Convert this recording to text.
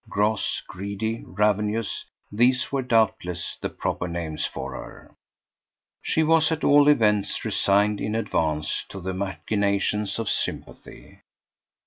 Gross, greedy, ravenous these were doubtless the proper names for her: she was at all events resigned in advance to the machinations of sympathy.